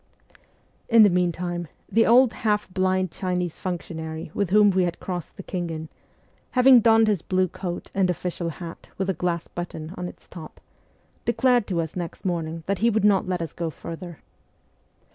In the meantime the old half blind Chinese functionary with whom we had crossed the Khingan, having donned his blue coat and official hat with a glass button on its top, declared to us next morning that he would not let us go further.